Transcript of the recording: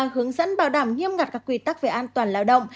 hướng dẫn bảo đảm nghiêm ngặt các quy tắc về an toàn lao động